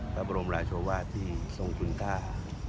แปบรมรสชาววาดที่ทรงคุณค่า